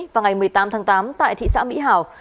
vào ngày một mươi tám tháng tám tại thị xã mỹ hảo